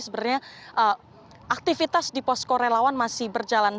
sebenarnya aktivitas di posko relawan masih berjalan